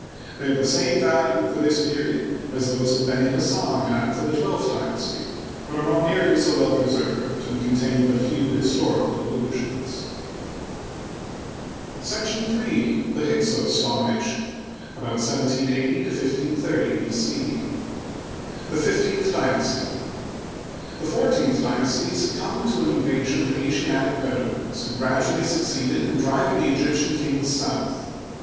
They have the same value for this period as those of Benihassan have for the twelfth dynasty, but are not nearly so well pre served, and contain but ifew historical allusions. y Google 62 HISTORY OF EGYPT. § 3. The Hyksos Domtnatton, about 1780 1530 B. C. The Fifteenth Dynasty. — The fourteenth dy nasty succumbed to an invasion of Asiatic Bedouins, who gradually succeeded in driving the Egyptian kings south.